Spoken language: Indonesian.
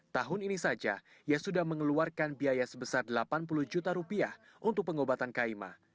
tahun ini saja ia sudah mengeluarkan biaya sebesar delapan puluh juta rupiah untuk pengobatan kaima